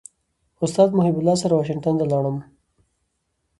استاد محب الله سره واشنګټن ته ولاړم.